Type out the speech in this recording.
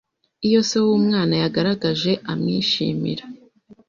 iyo se w’umwana yagaragaje amwishimira